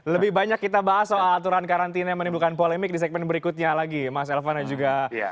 lebih banyak kita bahas soal aturan karantina yang menimbulkan polemik di segmen berikutnya lagi mas elvan dan juga